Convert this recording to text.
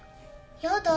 やだ。